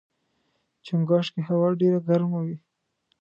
چنګاښ کې هوا ډېره ګرمه وي.